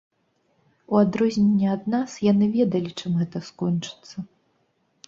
У адрозненне ад нас, яны ведалі, чым гэта скончыцца.